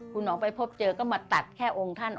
คุณออกไปพบเจอก็มาตัดแค่องค์ท่าน